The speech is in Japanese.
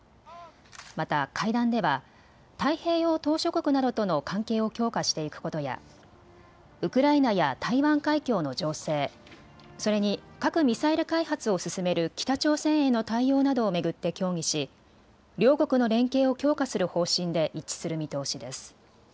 また会談では太平洋島しょ国などとの関係を強化していくことやウクライナや台湾海峡の情勢、それに核・ミサイル開発を進める北朝鮮への対応などを巡って協議し両国の連携を強化する方針で一致する見通しです。